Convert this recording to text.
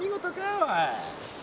おい。